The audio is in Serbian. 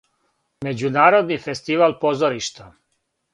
Међународни фестивал позоришта.